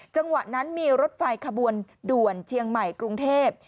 จังหวะนั้นมีรถไฟขบวนด่วนเชียงใหม่กรุงเทพ